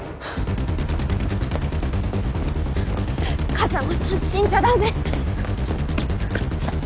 風真さん死んじゃダメ。